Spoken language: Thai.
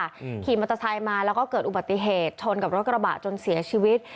ขี่มอเตอร์ไซค์มาแล้วก็เกิดอุบัติเหตุชนกับรถกระบะจนเสียชีวิต